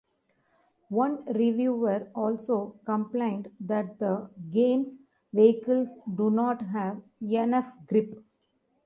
One reviewer also complained that the game's vehicles do not have enough grip.